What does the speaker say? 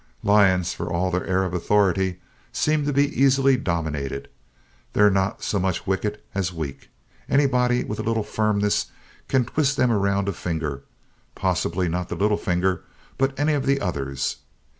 Lions, for all their air of authority, seem to be easily dominated. They're not so much wicked as weak. Anybody with a little firmness can twist them around a finger, possibly not the little finger, but any of the others.